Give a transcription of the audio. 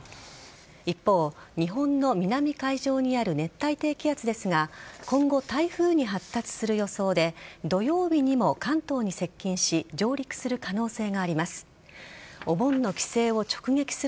一方、日本の南海上にある熱帯低気圧ですが今後、台風に発達する予想で土曜日にも関東に接近し上陸する可能性があります。